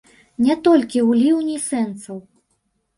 Не толькі ў ліўні сэнсаў.